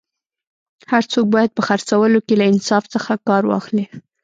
هر څوک باید په خرڅولو کي له انصاف څخه کار واخلي